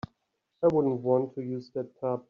I wouldn't want to use that tub.